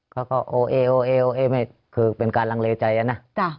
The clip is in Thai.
เขาก็โอเอวเอวเอไม่คือเป็นการลังเลใจอะนะ